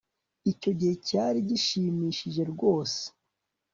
icyo gihe cyari gishimishije rwose